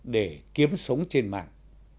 để kiếm sống trên mạng